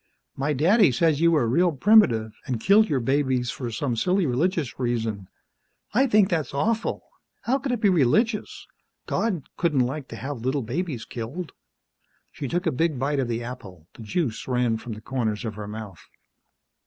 "My daddy says you were real primitive, an' killed your babies for some silly religious reason. I think that's awful! How could it be religious? God couldn't like to have little babies killed!" She took a big bite of the apple; the juice ran from the corners of her mouth.